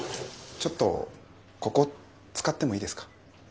ちょっとここ使ってもいいですか。